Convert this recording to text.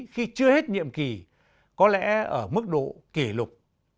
khi chưa hết nhiệm kỳ có lẽ ở mức độ kỷ lục